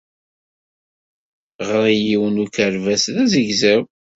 Ɣer-i yiwen n ukerbas d azegzaw.